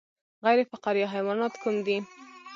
غیر فقاریه حیوانات کوم دي